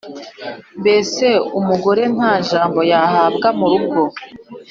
mbese, umugore nta jambo yahabwaga mu rugo.